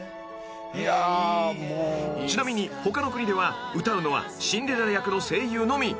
［ちなみに他の国では歌うのはシンデレラ役の声優のみ］